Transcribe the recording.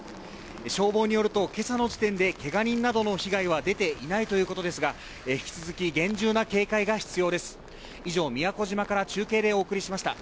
消防によると、今朝の時点でけが人などの被害は出ていないとのことですが、引き続き厳重な警戒が必要です。